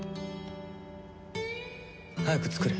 早く作れ。